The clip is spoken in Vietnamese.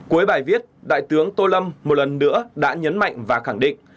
cuối bài viết đại tướng tô lâm một lần nữa đã nhấn mạnh và khẳng định